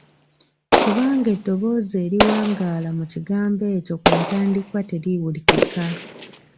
Kubanga eddoboozi eriwangaala mu kigambo ekyo ku ntandikwa teriwulikika.